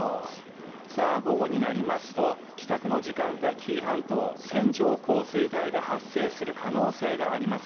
午後になりますと帰宅の時間帯、紀伊半島線状降水帯が発生する可能性があります。